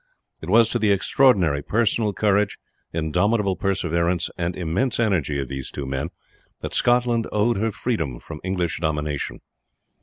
It was to the extraordinary personal courage, indomitable perseverance, and immense energy of these two men that Scotland owed her freedom from English domination.